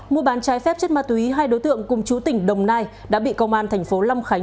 mua bán trái phép chất ma túy hai đối tượng cùng chú tỉnh đồng nai đã bị công an thành phố lâm khánh